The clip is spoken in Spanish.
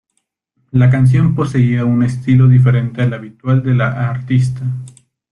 La canción poseía un estilo diferente al habitual de la artista.